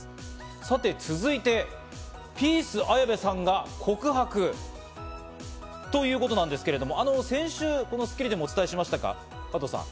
さて続いて、ピース・綾部さんが告白ということなんですけれども、先週、この『スッキリ』でもお伝えしましたが、加藤さん。